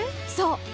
そう！